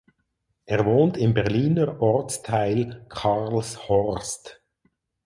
Er wohnt im Berliner Ortsteil Karlshorst.